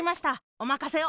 おまかせを！